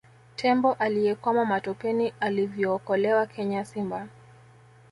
Tembo aliyekwama matopeni alivyookolewa Kenya Simba